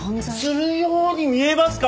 するように見えますか！？